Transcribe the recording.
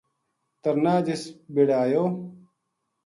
ترنا جس بِڑے ایو